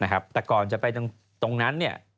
แต่ก่อนจะไปตรงนั้น